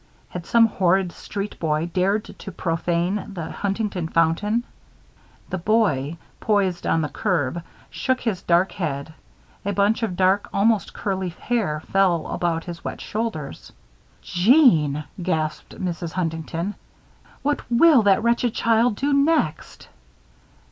Had some horrid street boy dared to profane the Huntington fountain? The "boy," poised on the curb, shook his dark head. A bunch of dark, almost curly hair fell about his wet shoulders. "Jeanne!" gasped Mrs. Huntington. "What will that wretched child do next!"